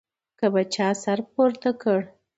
که به چا سر پورته کړ.